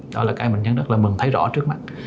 đó là cái bệnh nhân rất là mừng thấy rõ trước mắt